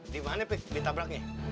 di mana pik ditabraknya